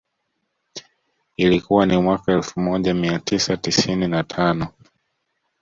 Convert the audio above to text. Ilikuwa ni mwaka elfu moja mia tisa tisini na tano